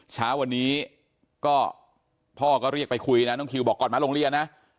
เช้าวันนี้ก็พ่อก็เรียกไปคุยนะน้องคิวบอกก่อนมาโรงเรียนนะ